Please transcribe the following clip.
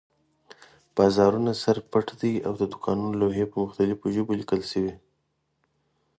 بازارونه سر پټ دي او د دوکانونو لوحې په مختلفو ژبو لیکل شوي.